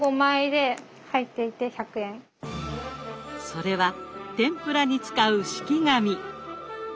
それは天ぷらに使う敷き紙。